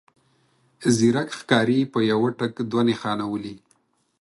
ځيرک ښکاري په يوه ټک دوه نښانه ولي.